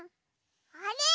あれ？